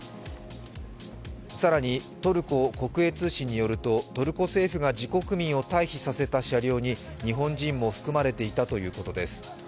更に、トルコ国営通信によるとトルコ政府が自国民を退避させた車両に日本人も含まれていたということです。